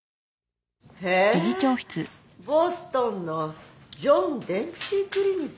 へぇボストンのジョン・デンプシークリニックに？